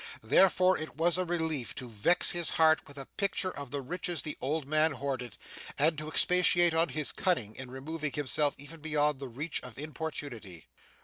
Therefore, it was a relief to vex his heart with a picture of the riches the old man hoarded, and to expatiate on his cunning in removing himself even beyond the reach of importunity.